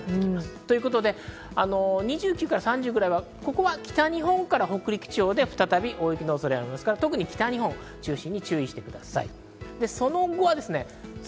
ということで２９から３０日くらいは、北日本から北陸地方で再び大雪の恐れありますから注意してください。